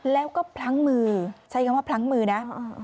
แล้วก็พลั้งมือใช้คำว่าพลั้งมือนะ